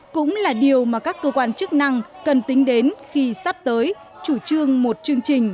cũng là điều mà các cơ quan chức năng cần tính đến khi sắp tới chủ trương một chương trình